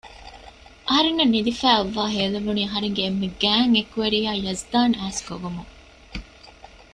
އަހަރެންނަށް ނިދިފައި އޮއްވާ ހޭލެވުނީ އަހަރެންގެ އެންމެ ގާތް އެކުވެރިޔާ ޔަޒްދާން އައިސް ގޮވުމުން